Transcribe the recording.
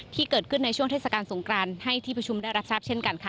ที่เกิดขึ้นในช่วงเทศกาลสงครานให้ที่ประชุมได้รับทราบเช่นกันค่ะ